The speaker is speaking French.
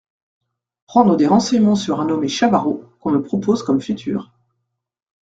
Prendre des renseignements sur un nommé Chavarot, qu’on me propose comme futur.